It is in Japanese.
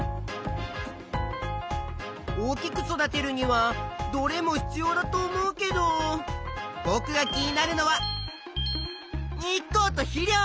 大きく育てるにはどれも必要だと思うけどぼくが気になるのは日光と肥料。